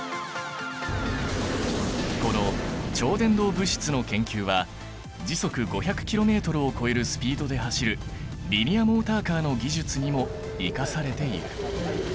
この超伝導物質の研究は時速５００キロメートルを超えるスピードで走るリニアモーターカーの技術にも生かされている。